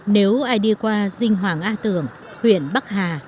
nếu ai đi qua dinh hoàng a tưởng huyện bắc hà